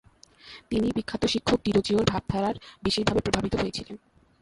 তিনি বিখ্যাত শিক্ষক ডিরোজিওর ভাবধারার বিশেষভাবে প্রভাবিত হয়েছিলেন।